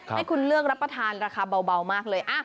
ให้คุณเลือกรับประทานราคาเบามากเลย